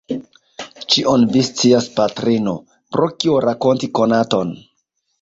Ĉion vi scias, patrino, pro kio rakonti konaton?